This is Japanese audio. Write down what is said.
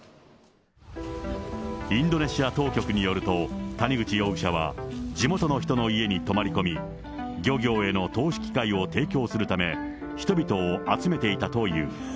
インドネシア当局によると、谷口容疑者は地元の人の家に泊まり込み、漁業への投資機会を提供するため、人々を集めていたという。